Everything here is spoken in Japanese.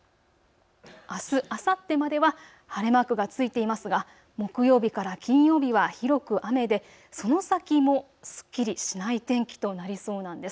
あす、あさってまでは晴れマークがついていますが木曜日から金曜日は広く雨でその先もすっきりしない天気となりそうなんです。